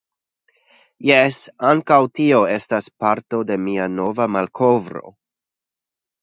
Jes, ankaŭ tio estas parto de mia nova malkovro.